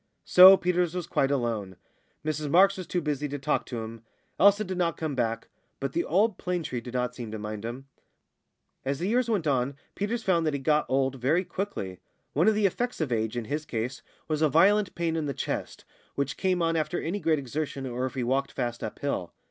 So Peters was quite alone. Mrs Marks was too busy to talk to him. Elsa did not come back. But the old plane tree did not seem to mind him. As the years went on Peters found that he got old very quickly. One of the effects of age, in his case, was a violent pain in the chest, which came on after any great exertion or if he walked fast uphill.